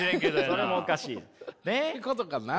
それもおかしい。ってことかな？